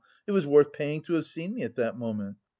It was worth paying to have seen me at that moment.